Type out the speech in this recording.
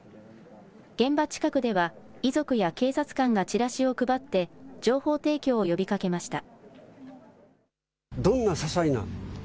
現場近くでは遺族や警察官がチラシを配って情報提供を呼びかけました。